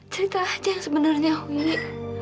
cerita aja yang sebenarnya homi